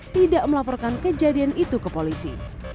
tidak melaporkan kejadian itu ke polisi